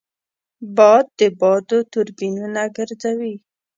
باد د بادو توربینونه ګرځوي